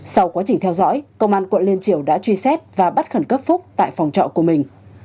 sau quá trình theo dõi công an quận liên triều đã truy xét và bắt khẩn cấp phúc tại phòng trọ của mình